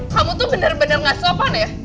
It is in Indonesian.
kamu tuh bener bener gak sapan ya